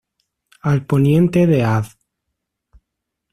Al poniente de Av.